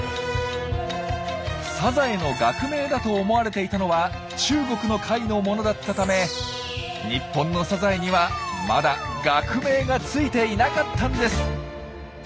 サザエの学名だと思われていたのは中国の貝のものだったため日本のサザエにはまだ学名がついていなかったんです！